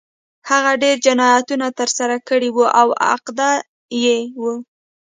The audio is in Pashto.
هغه ډېر جنایتونه ترسره کړي وو او عقده اي و